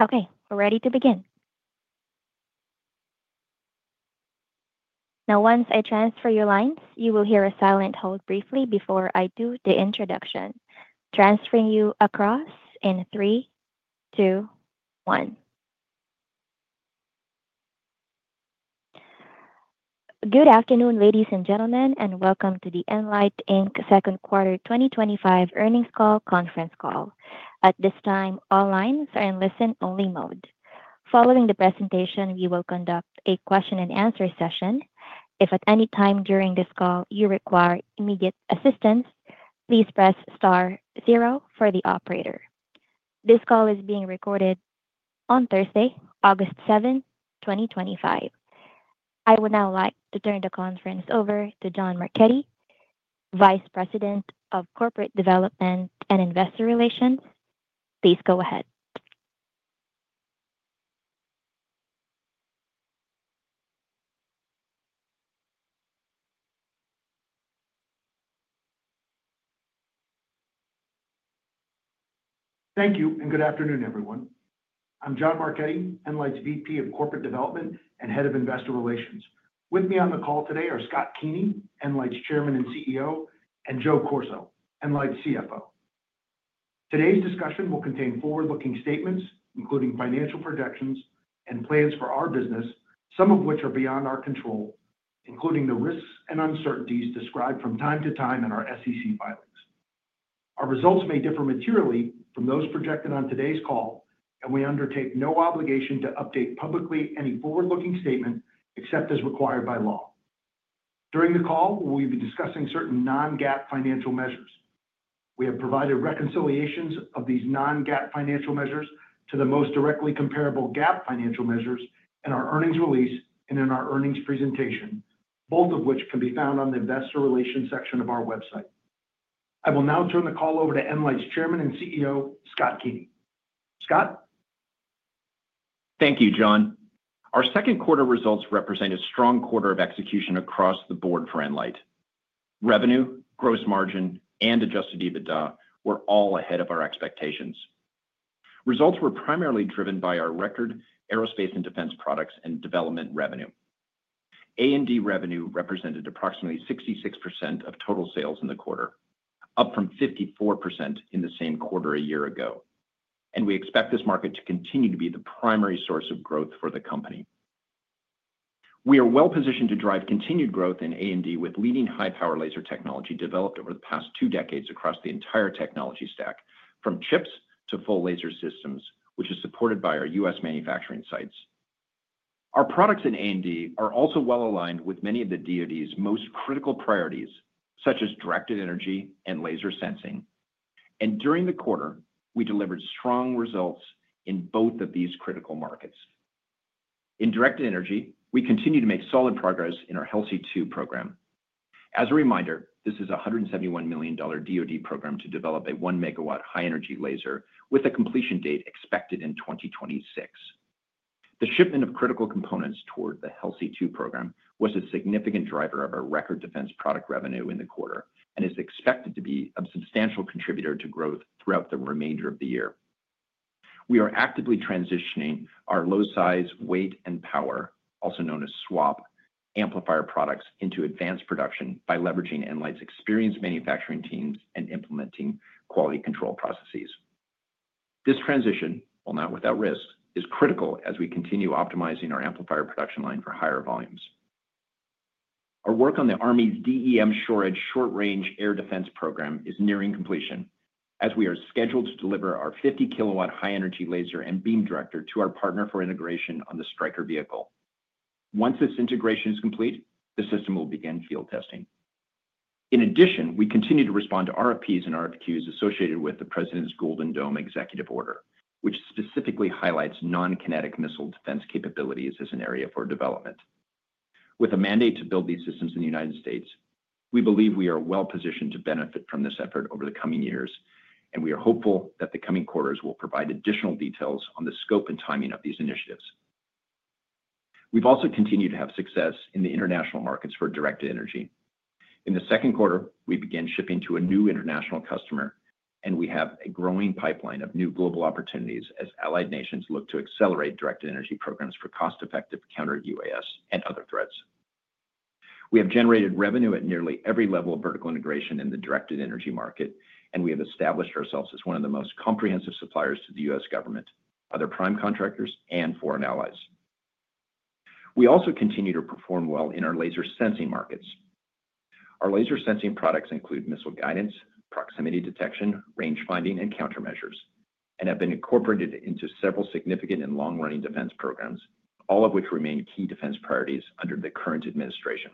Okay, we're ready to begin. Now, once I transfer your lines, you will hear a silent hold briefly before I do the introduction, transferring you across in three, two, one. Good afternoon, ladies and gentlemen, and welcome to the nLIGHT, Inc. Second Quarter 2025 Earnings Call conference call. At this time, all lines are in listen-only mode. Following the presentation, we will conduct a question-and-answer session. If at any time during this call you require immediate assistance, please press star zero for the operator. This call is being recorded on Thursday, August 7, 2025. I would now like to turn the conference over to John Marchetti, Vice President of Corporate Development and Investor Relations. Please go ahead. Thank you, and good afternoon, everyone. I'm John Marchetti, nLIGHT's Vice President of Corporate Development and Head of Investor Relations. With me on the call today are Scott Keeney, nLIGHT's Chairman and CEO, and Joe Corso, nLIGHT's CFO. Today's discussion will contain forward-looking statements, including financial projections and plans for our business, some of which are beyond our control, including the risks and uncertainties described from time to time in our SEC filings. Our results may differ materially from those projected on today's call, and we undertake no obligation to update publicly any forward-looking statement except as required by law. During the call, we will be discussing certain non-GAAP financial measures. We have provided reconciliations of these non-GAAP financial measures to the most directly comparable GAAP financial measures in our earnings release and in our earnings presentation, both of which can be found on the Investor Relations section of our website. I will now turn the call over to nLIGHT's Chairman and CEO, Scott Keeney. Scott? Thank you, John. Our second quarter results represent a strong quarter of execution across the board for nLIGHT. Revenue, gross margin, and adjusted EBITDA were all ahead of our expectations. Results were primarily driven by our record aerospace and defense products and development revenue. A&D revenue represented approximately 66% of total sales in the quarter, up from 54% in the same quarter a year ago, and we expect this market to continue to be the primary source of growth for the company. We are well positioned to drive continued growth in A&D with leading high-power laser technology developed over the past two decades across the entire technology stack, from chips to full laser systems, which is supported by our U.S. manufacturing sites. Our products in A&D are also well aligned with many of the U.S. Department of Defense's most critical priorities, such as directed energy and laser sensing, and during the quarter, we delivered strong results in both of these critical markets. In directed energy, we continue to make solid progress in our HELSI 2 program. As a reminder, this is a $171 million U.S. Department of Defense program to develop a 1 MW high-energy laser with a completion date expected in 2026. The shipment of critical components toward the HELSI2 program was a significant driver of our record defense product revenue in the quarter and is expected to be a substantial contributor to growth throughout the remainder of the year. We are actively transitioning our low size, weight, and power, also known as SWAP, amplifier products into advanced production by leveraging nLIGHT's experienced manufacturing teams and implementing quality control processes. This transition, while not without risk, is critical as we continue optimizing our amplifier production line for higher volumes. Our work on the Army's DEM short-range air defense program is nearing completion, as we are scheduled to deliver our 50 kW high-energy laser and beam director to our partner for integration on the Stryker vehicle. Once this integration is complete, the system will begin field testing. In addition, we continue to respond to RFPs and RFQs associated with the President's Golden Dome Executive Order, which specifically highlights non-kinetic missile defense capabilities as an area for development. With a mandate to build these systems in the United States, we believe we are well positioned to benefit from this effort over the coming years, and we are hopeful that the coming quarters will provide additional details on the scope and timing of these initiatives. We've also continued to have success in the international markets for directed energy. In the second quarter, we began shipping to a new international customer, and we have a growing pipeline of new global opportunities as allied nations look to accelerate directed energy programs for cost-effective countered UAS and other threats. We have generated revenue at nearly every level of vertical integration in the directed energy market, and we have established ourselves as one of the most comprehensive suppliers to the U.S. government, other prime contractors, and foreign allies. We also continue to perform well in our laser sensing markets. Our laser sensing products include missile guidance, proximity detection, range finding, and countermeasures, and have been incorporated into several significant and long-running defense programs, all of which remain key defense priorities under the current administration.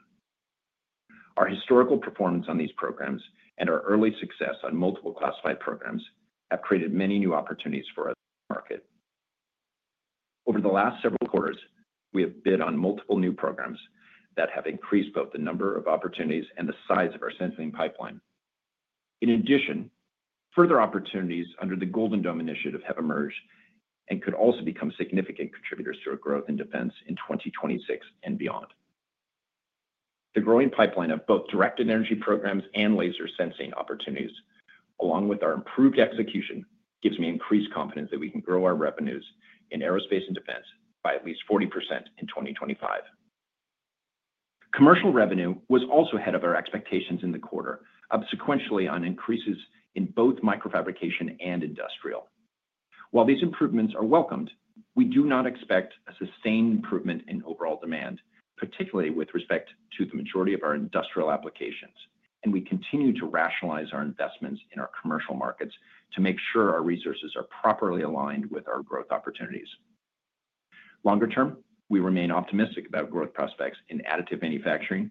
Our historical performance on these programs and our early success on multiple classified programs have created many new opportunities for our market. Over the last several quarters, we have bid on multiple new programs that have increased both the number of opportunities and the size of our sensing pipeline. In addition, further opportunities under the Golden Dome Initiative have emerged and could also become significant contributors to our growth in defense in 2026 and beyond. The growing pipeline of both directed energy programs and laser sensing opportunities, along with our improved execution, gives me increased confidence that we can grow our revenues in aerospace and defense by at least 40% in 2025. Commercial revenue was also ahead of our expectations in the quarter, up sequentially on increases in both microfabrication and industrial. While these improvements are welcomed, we do not expect a sustained improvement in overall demand, particularly with respect to the majority of our industrial applications, and we continue to rationalize our investments in our commercial markets to make sure our resources are properly aligned with our growth opportunities. Longer term, we remain optimistic about growth prospects in additive manufacturing,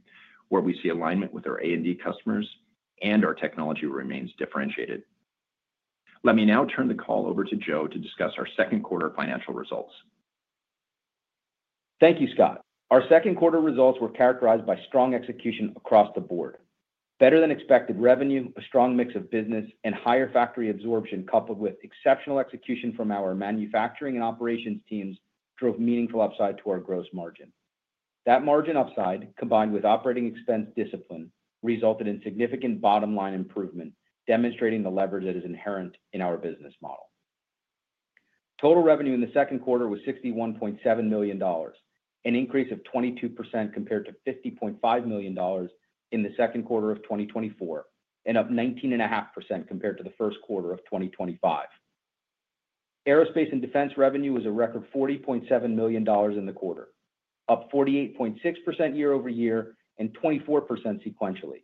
where we see alignment with our A&D customers, and our technology remains differentiated. Let me now turn the call over to Joe to discuss our second quarter financial results. Thank you, Scott. Our second quarter results were characterized by strong execution across the board. Better than expected revenue, a strong mix of business, and higher factory absorption, coupled with exceptional execution from our manufacturing and operations teams, drove meaningful upside to our gross margin. That margin upside, combined with operating expense discipline, resulted in significant bottom line improvement, demonstrating the leverage that is inherent in our business model. Total revenue in the second quarter was $61.7 million, an increase of 22% compared to $50.5 million in the second quarter of 2024, and up 19.5% compared to the first quarter of 2025. Aerospace and defense revenue was a record $40.7 million in the quarter, up 48.6% year-over-year and 24% sequentially.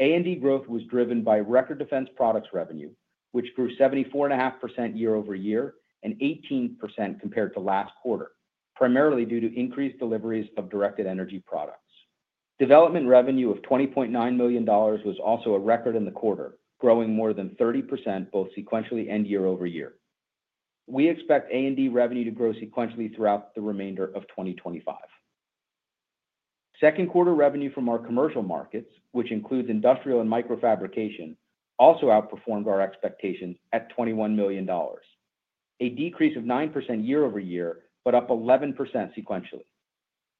A&D growth was driven by record defense products revenue, which grew 74.5% year-over-year and 18% compared to last quarter, primarily due to increased deliveries of directed energy products. Development revenue of $20.9 million was also a record in the quarter, growing more than 30% both sequentially and year-over-year. We expect A&D revenue to grow sequentially throughout the remainder of 2025. Second quarter revenue from our commercial markets, which includes industrial and microfabrication, also outperformed our expectations at $21 million, a decrease of 9% year-over-year, but up 11% sequentially.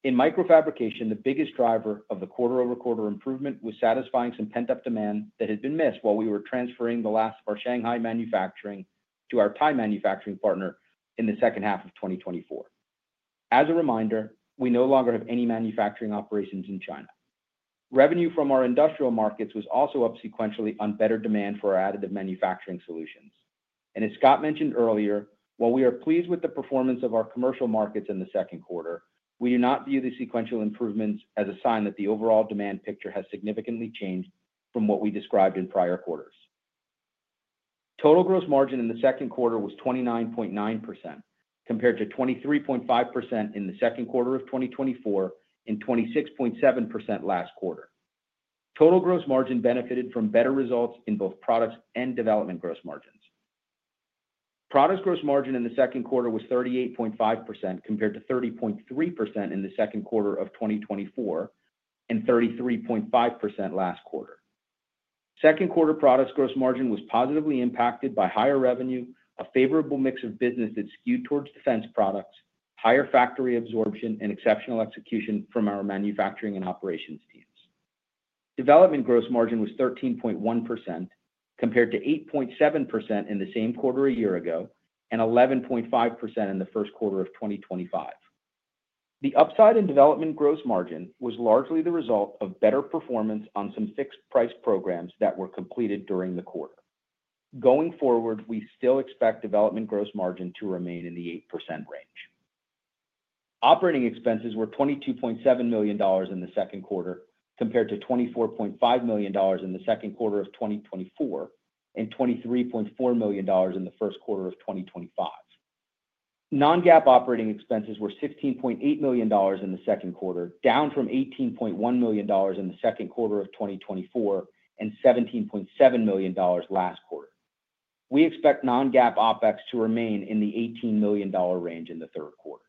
In microfabrication, the biggest driver of the quarter-over-quarter improvement was satisfying some pent-up demand that had been missed while we were transferring the last of our Shanghai manufacturing to our Thai manufacturing partner in the second half of 2024. As a reminder, we no longer have any manufacturing operations in China. Revenue from our industrial markets was also up sequentially on better demand for our additive manufacturing solutions. As Scott mentioned earlier, while we are pleased with the performance of our commercial markets in the second quarter, we do not view the sequential improvements as a sign that the overall demand picture has significantly changed from what we described in prior quarters. Total gross margin in the second quarter was 29.9% compared to 23.5% in the second quarter of 2024 and 26.7% last quarter. Total gross margin benefited from better results in both products and development gross margins. Products gross margin in the second quarter was 38.5% compared to 30.3% in the second quarter of 2024 and 33.5% last quarter. Second quarter products gross margin was positively impacted by higher revenue, a favorable mix of business that skewed towards defense products, higher factory absorption, and exceptional execution from our manufacturing and operations teams. Development gross margin was 13.1% compared to 8.7% in the same quarter a year ago and 11.5% in the first quarter of 2025. The upside in development gross margin was largely the result of better performance on some fixed price programs that were completed during the quarter. Going forward, we still expect development gross margin to remain in the 8% range. Operating expenses were $22.7 million in the second quarter compared to $24.5 million in the second quarter of 2024 and $23.4 million in the first quarter of 2025. Non-GAAP operating expenses were $16.8 million in the second quarter, down from $18.1 million in the second quarter of 2024 and $17.7 million last quarter. We expect non-GAAP OpEx to remain in the $18 million range in the third quarter.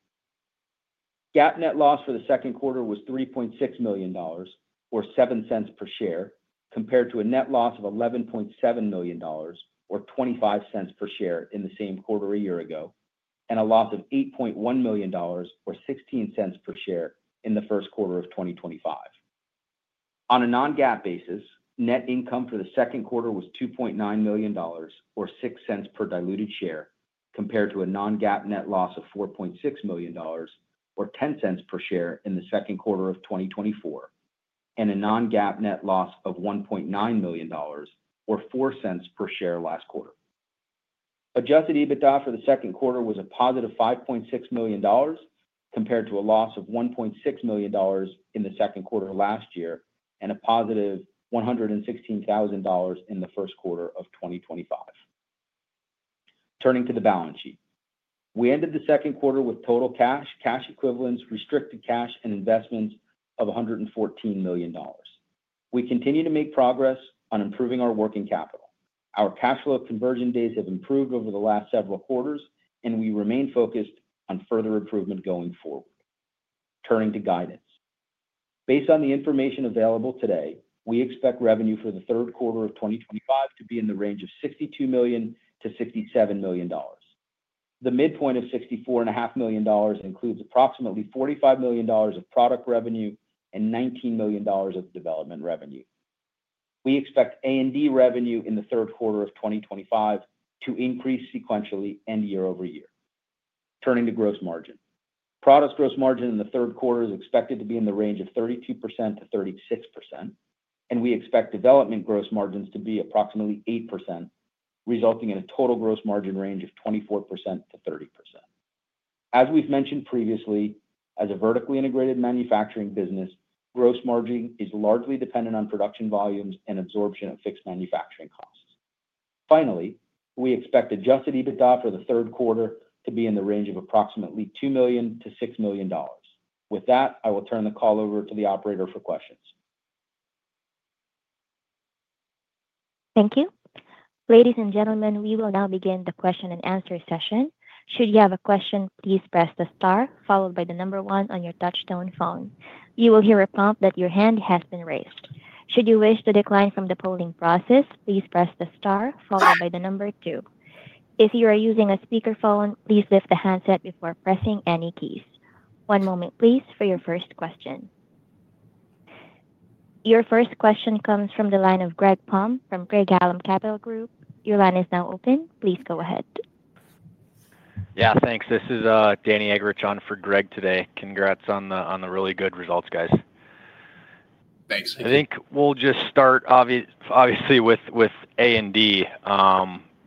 GAAP net loss for the second quarter was $3.6 million, or $0.07 per share, compared to a net loss of $11.7 million, or $0.25 per share in the same quarter a year ago, and a loss of $8.1 million, or $0.16 per share in the first quarter of 2025. On a non-GAAP basis, net income for the second quarter was $2.9 million, or $0.06 per diluted share, compared to a non-GAAP net loss of $4.6 million, or $0.10 per share in the second quarter of 2024, and a non-GAAP net loss of $1.9 million, or $0.04 per share last quarter. Adjusted EBITDA for the second quarter was a positive $5.6 million compared to a loss of $1.6 million in the second quarter last year and a positive $116,000 in the first quarter of 2025. Turning to the balance sheet, we ended the second quarter with total cash, cash equivalents, restricted cash, and investments of $114 million. We continue to make progress on improving our working capital. Our cash flow conversion days have improved over the last several quarters, and we remain focused on further improvement going forward. Turning to guidance, based on the information available today, we expect revenue for the third quarter of 2025 to be in the range of $62 million to $67 million. The midpoint of $64.5 million includes approximately $45 million of product revenue and $19 million of development revenue. We expect A&D revenue in the third quarter of 2025 to increase sequentially and year-over-year. Turning to gross margin, product gross margin in the third quarter is expected to be in the range of 32% t - 36%, and we expect development gross margins to be approximately 8%, resulting in a total gross margin range of 24% - 30%. As we've mentioned previously, as a vertically integrated manufacturing business, gross margin is largely dependent on production volumes and absorption of fixed manufacturing costs. Finally, we expect adjusted EBITDA for the third quarter to be in the range of approximately $2 million - $6 million. With that, I will turn the call over to the operator for questions. Thank you. Ladies and gentlemen, we will now begin the question and answer session. Should you have a question, please press the star followed by the number one on your touch-tone phone. You will hear a prompt that your hand has been raised. Should you wish to decline from the polling process, please press the star followed by the number two. If you are using a speaker phone, please lift the handset before pressing any keys. One moment, please, for your first question. Your first question comes from the line of Greg Palm from Craig-Hallum Capital Group. Your line is now open. Please go ahead. Yeah, thanks. This is Danny Eggerichs on for Greg today. Congrats on the really good results, guys. Thanks, Steve. I think we'll just start, obviously, with A&D.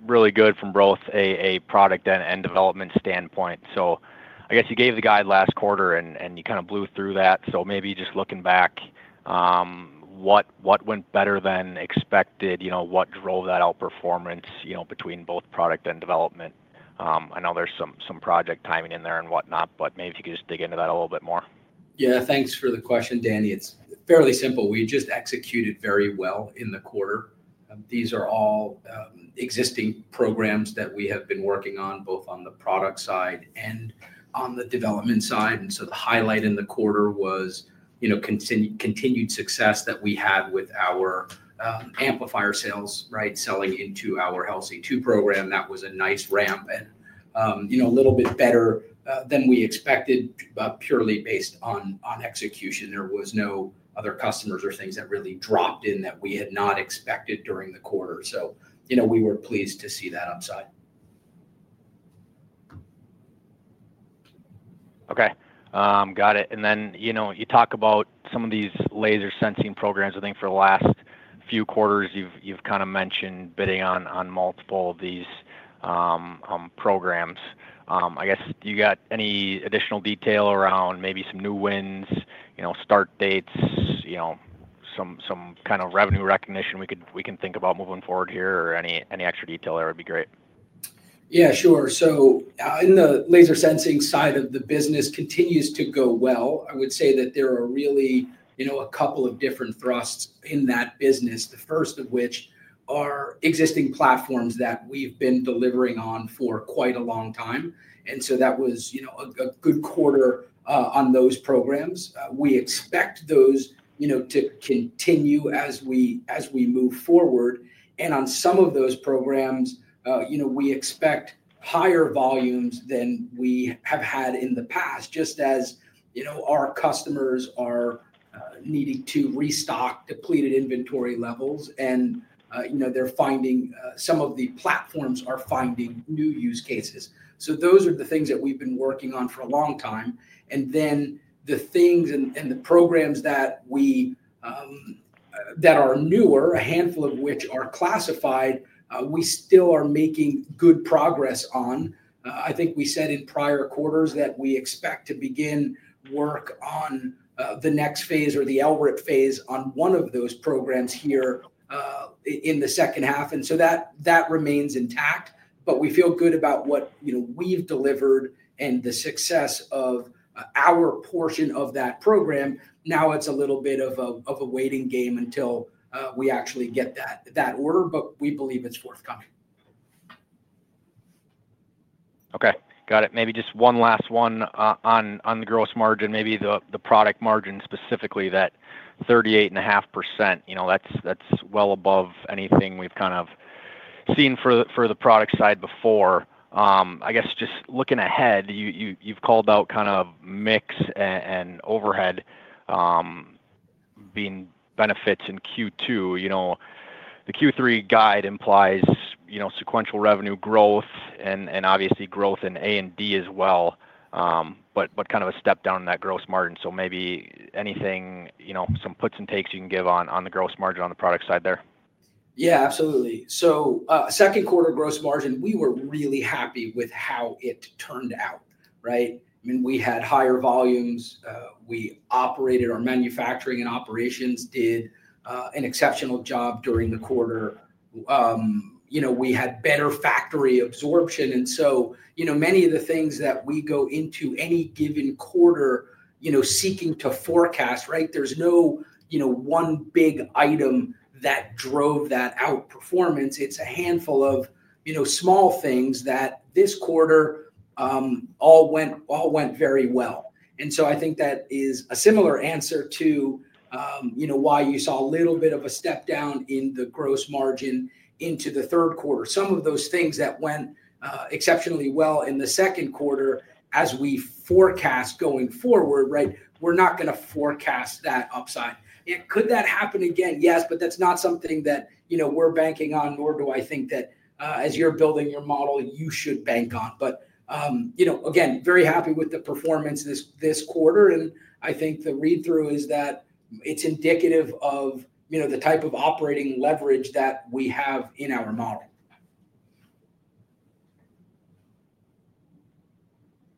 Really good from both a product and development standpoint. I guess you gave the guide last quarter and you kind of blew through that. Maybe just looking back, what went better than expected? What drove that outperformance between both product and development? I know there's some project timing in there and whatnot, but maybe if you could just dig into that a little bit more. Yeah, thanks for the question, Danny. It's fairly simple. We just executed very well in the quarter. These are all existing programs that we have been working on, both on the product side and on the development side. The highlight in the quarter was continued success that we had with our amplifier sales, right, selling into our HELSI 2 program. That was a nice ramp and a little bit better than we expected, but purely based on execution. There were no other customers or things that really dropped in that we had not expected during the quarter. We were pleased to see that upside. Okay, got it. You talk about some of these laser sensing programs. I think for the last few quarters, you've kind of mentioned bidding on multiple of these programs. I guess you got any additional detail around maybe some new wins, start dates, some kind of revenue recognition we can think about moving forward here or any extra detail there would be great. Yeah, sure. The laser sensing side of the business continues to go well. I would say that there are really a couple of different thrusts in that business, the first of which are existing platforms that we've been delivering on for quite a long time. That was a good quarter on those programs. We expect those to continue as we move forward. On some of those programs, we expect higher volumes than we have had in the past, just as our customers are needing to restock depleted inventory levels. They're finding some of the platforms are finding new use cases. Those are the things that we've been working on for a long time. The programs that are newer, a handful of which are classified, we still are making good progress on. I think we said in prior quarters that we expect to begin work on the next phase or the LRIP phase on one of those programs here in the second half. That remains intact, but we feel good about what we've delivered and the success of our portion of that program. Now it's a little bit of a waiting game until we actually get that order, but we believe it's forthcoming. Okay, got it. Maybe just one last one on the gross margin, maybe the product margin specifically, that 38.5%, you know, that's well above anything we've kind of seen for the product side before. I guess just looking ahead, you've called out kind of mix and overhead being benefits in Q2. The Q3 guide implies, you know, sequential revenue growth and obviously growth in A&D as well, but kind of a step down in that gross margin. Maybe anything, you know, some puts and takes you can give on the gross margin on the product side there. Yeah, absolutely. Second quarter gross margin, we were really happy with how it turned out, right? I mean, we had higher volumes. We operated our manufacturing and operations did an exceptional job during the quarter. We had better factory absorption. Many of the things that we go into any given quarter seeking to forecast, right? There's no one big item that drove that outperformance. It's a handful of small things that this quarter all went very well. I think that is a similar answer to why you saw a little bit of a step down in the gross margin into the third quarter. Some of those things that went exceptionally well in the second quarter, as we forecast going forward, we're not going to forecast that upside. Could that happen again? Yes, but that's not something that we're banking on, nor do I think that as you're building your model, you should bank on. Again, very happy with the performance this quarter. I think the read-through is that it's indicative of the type of operational leverage that we have in our model.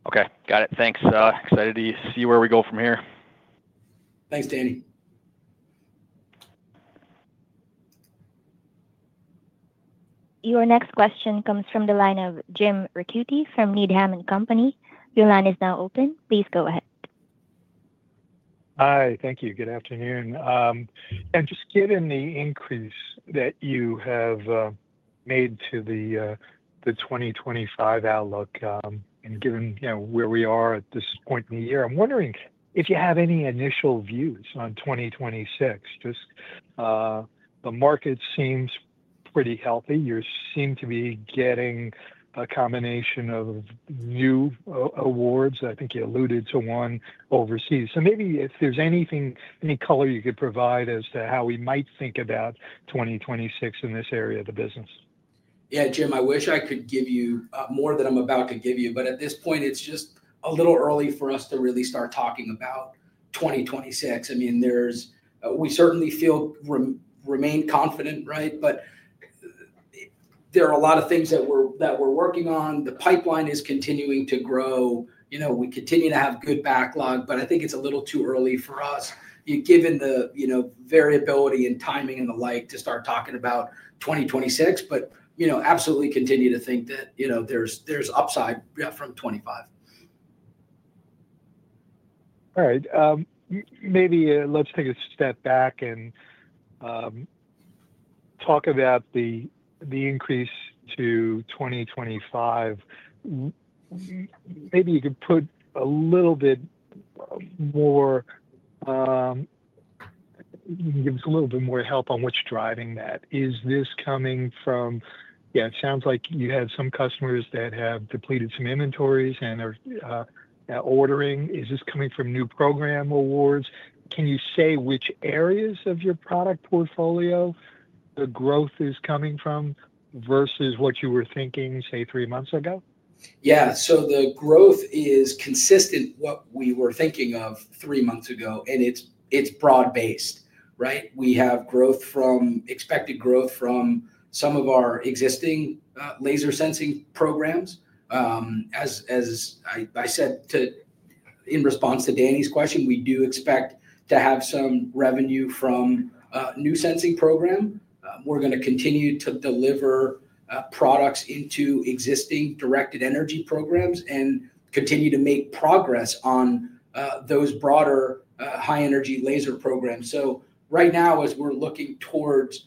Okay, got it. Thanks. Excited to see where we go from here. Thanks, Danny. Your next question comes from the line of Jim Ricchiuti from Needham & Company. Your line is now open. Please go ahead. Hi, thank you. Good afternoon. Given the increase that you have made to the 2025 outlook and given where we are at this point in the year, I'm wondering if you have any initial views on 2026. The market seems pretty healthy. You seem to be getting a combination of new awards. I think you alluded to one overseas. If there's anything, any color you could provide as to how we might think about 2026 in this area of the business. Yeah, Jim, I wish I could give you more than I'm about to give you, but at this point, it's just a little early for us to really start talking about 2026. I mean, we certainly remain confident, right? There are a lot of things that we're working on. The pipeline is continuing to grow. We continue to have good backlog. I think it's a little too early for us, given the variability and timing and the like, to start talking about 2026. Absolutely continue to think that there's upside from '25. All right. Maybe let's take a step back and talk about the increase to 2025. Maybe you could put a little bit more, give us a little bit more help on what's driving that. Is this coming from, it sounds like you have some customers that have depleted some inventories and are ordering. Is this coming from new program awards? Can you say which areas of your product portfolio the growth is coming from versus what you were thinking, say, three months ago? Yeah, the growth is consistent with what we were thinking of three months ago, and it's broad-based, right? We have growth from expected growth from some of our existing laser sensing programs. As I said in response to Danny's question, we do expect to have some revenue from a new sensing program. We're going to continue to deliver products into existing directed energy programs and continue to make progress on those broader high-energy laser programs. Right now, as we're looking towards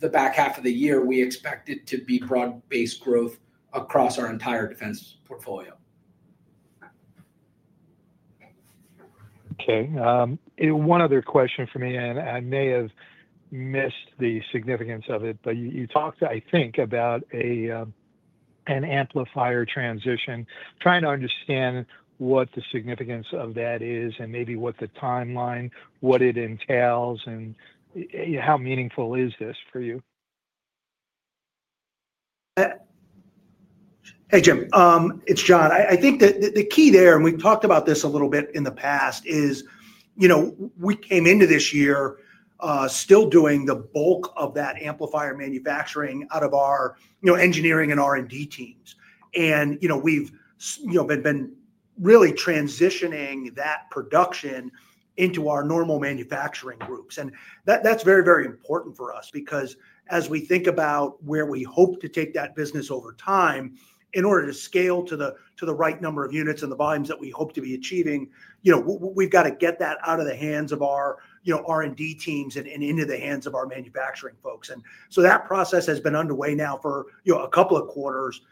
the back half of the year, we expect it to be broad-based growth across our entire defense portfolio. Okay. One other question for me, and I may have missed the significance of it, but you talked, I think, about an amplifier production transition, trying to understand what the significance of that is and maybe what the timeline, what it entails, and how meaningful is this for you? Hey, Jim. It's John. I think that the key there, and we've talked about this a little bit in the past, is we came into this year still doing the bulk of that amplifier manufacturing out of our engineering and R&D teams. We've been really transitioning that production into our normal manufacturing groups. That's very, very important for us because as we think about where we hope to take that business over time in order to scale to the right number of units and the volumes that we hope to be achieving, we've got to get that out of the hands of our R&D teams and into the hands of our manufacturing folks. That process has been underway now for a couple of quarters.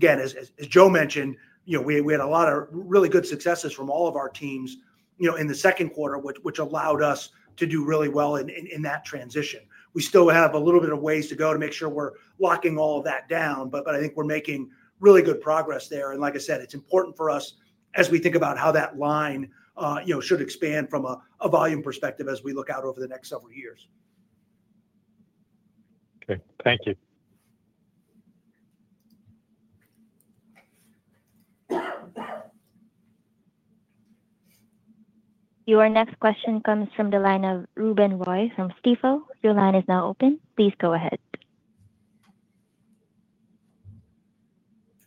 As Joe mentioned, we had a lot of really good successes from all of our teams in the second quarter, which allowed us to do really well in that transition. We still have a little bit of ways to go to make sure we're locking all of that down, but I think we're making really good progress there. Like I said, it's important for us as we think about how that line should expand from a volume perspective as we look out over the next several years. Okay, thank you. Your next question comes from the line of Ruben Roy from Stifel. Your line is now open. Please go ahead.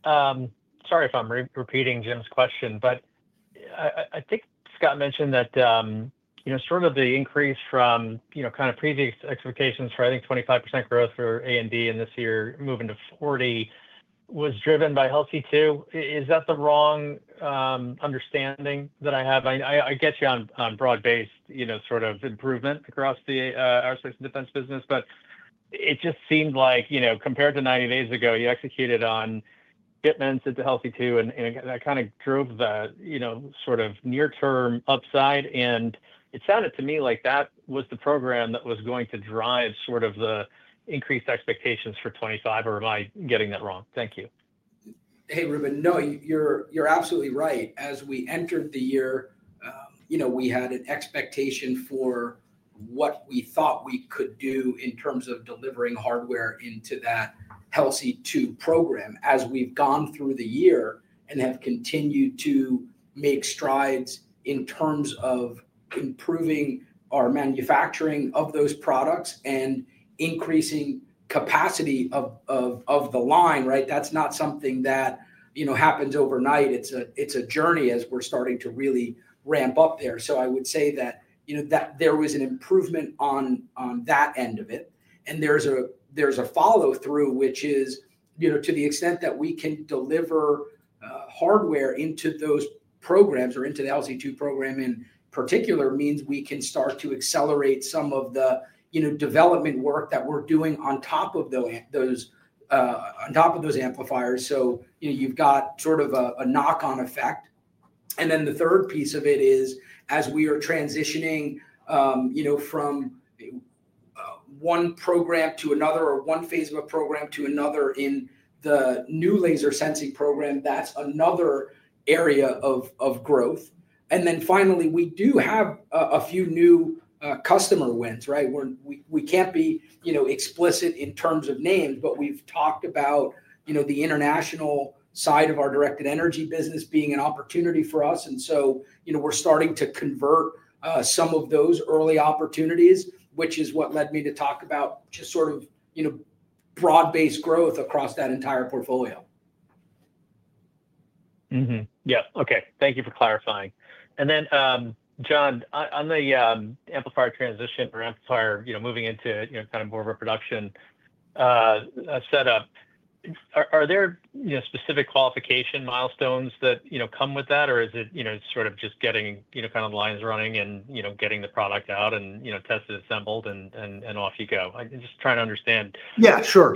Sorry if I'm repeating Jim's question, but I think Scott mentioned that the increase from previous expectations for, I think, 25% growth for A&D and this year moving to 40% was driven by HELSI 2. Is that the wrong understanding that I have? I get you on broad-based improvement across the aerospace and defense business, but it just seemed like compared to 90 days ago, you executed on shipments into HELSI 2, and that kind of drove the near-term upside. It sounded to me like that was the program that was going to drive the increased expectations for 2025. Or am I getting that wrong? Thank you. Hey, Ruben. No, you're absolutely right. As we entered the year, we had an expectation for what we thought we could do in terms of delivering hardware into that HELSI 2 program. As we've gone through the year and have continued to make strides in terms of improving our manufacturing of those products and increasing the capacity of the line, that's not something that happens overnight. It's a journey as we're starting to really ramp up there. I would say that there was an improvement on that end of it. There's a follow-through, which is, to the extent that we can deliver hardware into those programs or into the HELSI 2 program in particular, it means we can start to accelerate some of the development work that we're doing on top of those amplifiers. You've got sort of a knock-on effect. The third piece of it is, as we are transitioning from one program to another or one phase of a program to another in the new laser sensing program, that's another area of growth. Finally, we do have a few new customer wins. We can't be explicit in terms of names, but we've talked about the international side of our directed energy business being an opportunity for us. We're starting to convert some of those early opportunities, which is what led me to talk about just sort of broad-based growth across that entire portfolio. Thank you for clarifying. John, on the amplifier transition or amplifier, moving into more of a production setup, are there specific qualification milestones that come with that, or is it sort of just getting the lines running and getting the product out and tested, assembled, and off you go? I'm just trying to understand. Yeah, sure.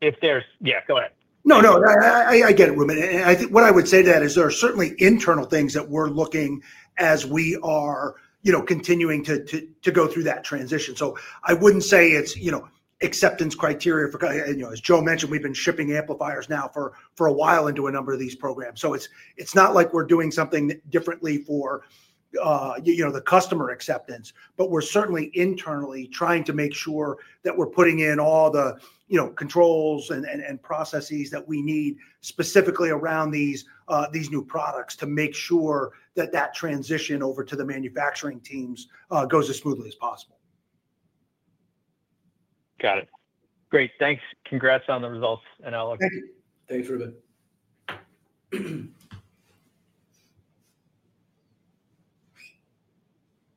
If there's, yeah, go ahead. No, I get it, Ruben. I think what I would say to that is there are certainly internal things that we're looking at as we are continuing to go through that transition. I wouldn't say it's acceptance criteria for, you know, as Joe mentioned, we've been shipping amplifiers now for a while into a number of these programs. It's not like we're doing something differently for the customer acceptance, but we're certainly internally trying to make sure that we're putting in all the controls and processes that we need specifically around these new products to make sure that that transition over to the manufacturing teams goes as smoothly as possible. Got it. Great. Thanks. Congrats on the results and outlook. Thank you. Thanks, Ruben.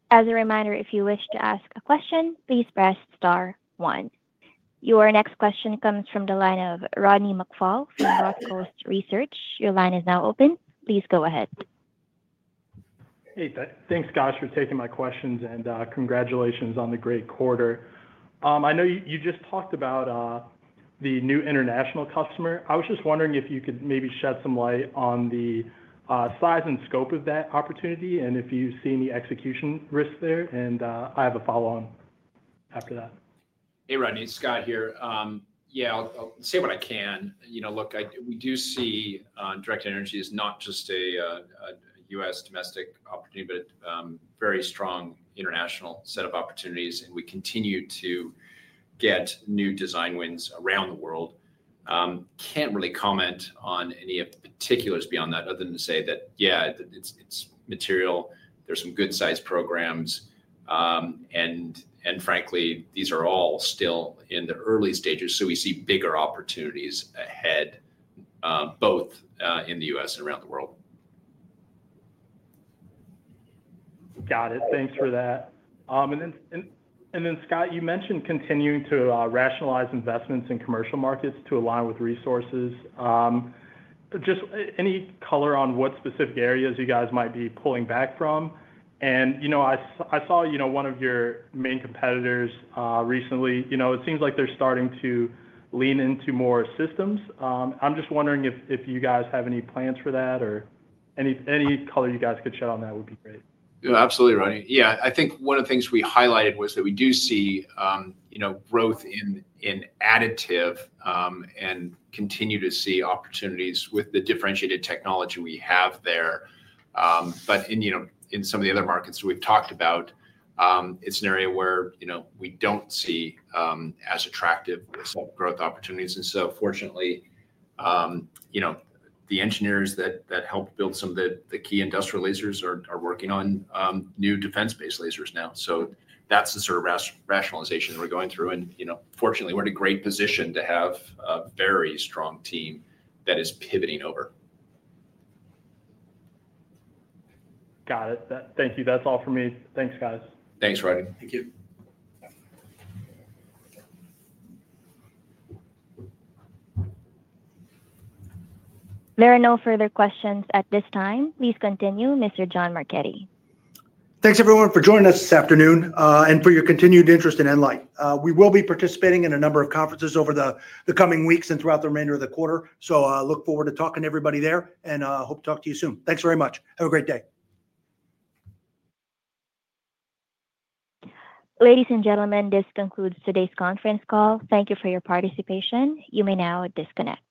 As a reminder, if you wish to ask a question, please press star one. Your next question comes from the line of Rodney McFall from Northcoast Research. Your line is now open. Please go ahead. Hey, thanks, Scott, for taking my questions and congratulations on the great quarter. I know you just talked about the new international customer. I was just wondering if you could maybe shed some light on the size and scope of that opportunity, if you've seen the execution risk there? I have a follow-on after that. Hey, Rodney. Scott here. I'll say what I can. We do see directed energy is not just a U.S. domestic opportunity, but a very strong international set of opportunities. We continue to get new design wins around the world. Can't really comment on any particulars beyond that other than to say that it's material. There are some good-sized programs. Frankly, these are all still in the early stages. We see bigger opportunities ahead, both in the U.S. and around the world. Got it. Thanks for that. Scott, you mentioned continuing to rationalize investments in commercial markets to align with resources. Any color on what specific areas you guys might be pulling back from? I saw one of your main competitors recently, it seems like they're starting to lean into more systems. I'm just wondering if you guys have any plans for that or any color you guys could shed on that would be great. Yeah, absolutely, Rodney. I think one of the things we highlighted was that we do see growth in additive and continue to see opportunities with the differentiated technology we have there. In some of the other markets that we've talked about, it's an area where we don't see as attractive growth opportunities. Fortunately, the engineers that help build some of the key industrial lasers are working on new defense-based lasers now. That's the sort of rationalization that we're going through. Fortunately, we're in a great position to have a very strong team that is pivoting over. Got it. Thank you. That's all for me. Thanks, guys. Thanks, Rodney. Thank you. There are no further questions at this time. Please continue, Mr. John Marchetti. Thanks, everyone, for joining us this afternoon and for your continued interest in nLIGHT. We will be participating in a number of conferences over the coming weeks and throughout the remainder of the quarter. I look forward to talking to everybody there and hope to talk to you soon. Thanks very much. Have a great day. Ladies and gentlemen, this concludes today's conference call. Thank you for your participation. You may now disconnect.